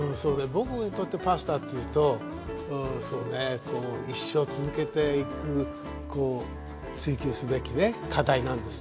僕にとってパスタっていうとそうね一生続けていく追求すべきね課題なんですよ。